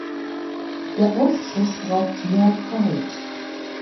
Der Ausschuss braucht mehr Zeit.